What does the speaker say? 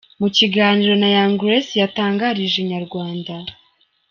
Mu kiganiro na Young Grace yatangarije Inyarwanda.